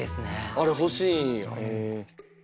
あれ欲しいんや。